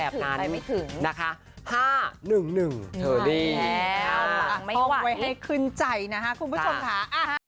เอาหลังห้องไว้ให้คืนใจนะครับคุณผู้ชมค่ะ